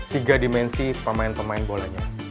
tiga dimensi pemain pemain bolanya